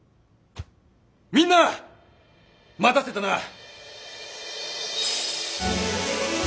みんな待たせたな。